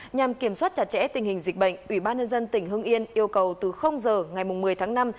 nhằm kiểm soát chặt chẽ tình hình dịch bệnh ủy ban nhân dân tỉnh hưng yên yêu cầu từ giờ ngày một mươi tháng năm